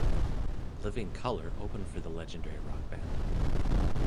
Living Color opened for the legendary rock band.